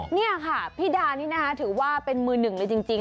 นี่ค่ะพี่ดานี่นะคะถือว่าเป็นมือหนึ่งเลยจริง